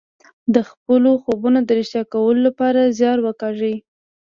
هغه د خپلو خوبونو د رښتيا کولو لپاره زيار وکيښ.